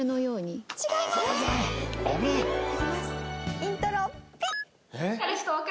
イントロピッ！